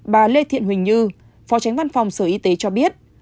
bà lê thiện huỳnh như phó tránh văn phòng sở y tế cho biết